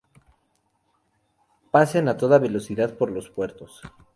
Pasen a toda velocidad por los puertos.